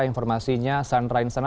informasinya sandra insana